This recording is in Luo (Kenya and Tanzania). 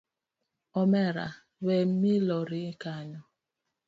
Omera we milori kanyo.